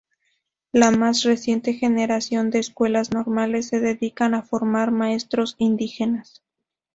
La más reciente generación de Escuelas Normales se dedican a formar maestros indígenas.